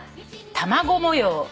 卵模様。